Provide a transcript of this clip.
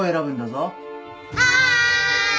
はい。